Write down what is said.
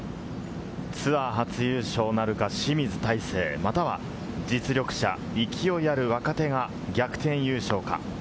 ツアー初優勝なるか清水大成、または実力者、勢いある若手が逆転優勝か。